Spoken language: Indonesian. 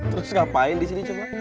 terus ngapain disini coba